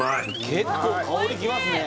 結構香りきますね